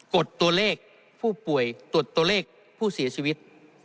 ดตัวเลขผู้ป่วยตรวจตัวเลขผู้เสียชีวิต